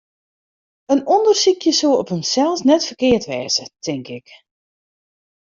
In ûndersykje soe op himsels net ferkeard wêze, tink ik.